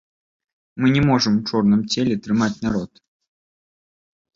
Мы не можам у чорным целе трымаць народ.